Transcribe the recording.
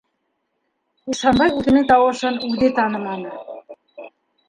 - Ихсанбай үҙенең тауышын үҙе таныманы.